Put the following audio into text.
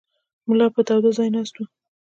ملا به په تاوده ځای ناست و.